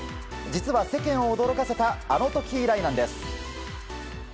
実は、世間を驚かせたあの時以来なんです。